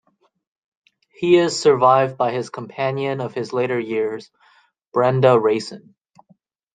He is survived by his companion of his later years, Brenda Rayson.